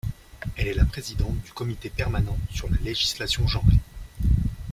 Elle est la présidente du comité permanent sur la législation genrée.